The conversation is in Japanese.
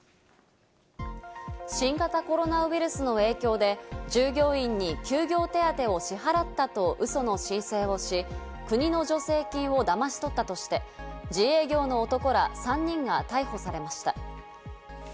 新型コロナウイルスの影響で、従業員に休業手当を支払ったとうその申請をし、国の助成金をだまし取ったとして、自営業の男ら３人が逮捕されました。